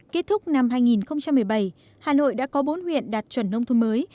kết thúc năm hai nghìn một mươi bảy hà nội đã có bốn huyện đạt chuẩn nông thôn mới